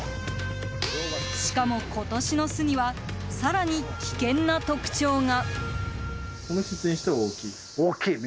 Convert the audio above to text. しかも今年の巣には更に危険な特徴が。